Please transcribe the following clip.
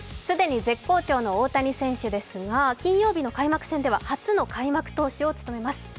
既に絶好調の大谷選手ですが金曜日の開幕戦では初の開幕投手を務めます。